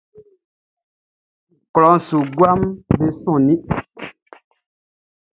Klɔʼn su guaʼm be sonnin.